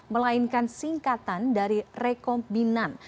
melainkan singkatan dari rekombinan